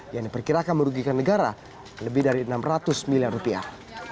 yang diperkirakan merugikan negara lebih dari enam ratus miliar rupiah